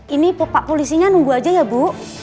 ini pak polisinya nunggu aja ya bu